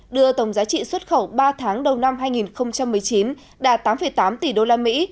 đưa tổng giá trị xuất khẩu ba tháng đầu năm hai nghìn một mươi chín đạt tám tám tỷ đô la mỹ